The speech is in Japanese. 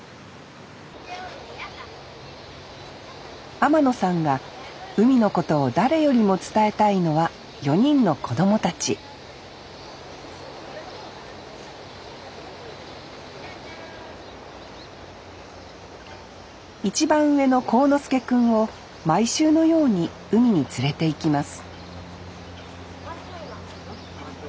天野さんが海のことを誰よりも伝えたいのは４人の子供たち一番上の航之介くんを毎週のように海に連れていきます